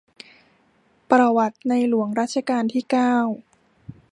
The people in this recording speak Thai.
ประวัติในหลวงรัชกาลที่เก้า